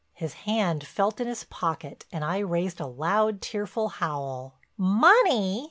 His hand felt in his pocket and I raised a loud, tearful howl: "_Money!